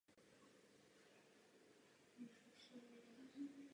Domnívám se, že nyní k tomu máme příležitost.